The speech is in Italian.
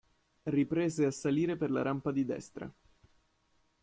Riprese a salire per la rampa di destra.